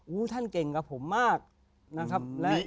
ท่านเก่งกับผมมากนะครับ